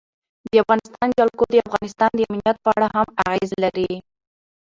د افغانستان جلکو د افغانستان د امنیت په اړه هم اغېز لري.